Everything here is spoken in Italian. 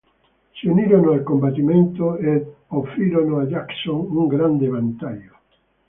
Si unirono al combattimento ed offrirono a Jackson un grande vantaggio.